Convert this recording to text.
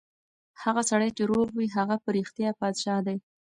هغه سړی چې روغ وي، هغه په رښتیا پادشاه دی.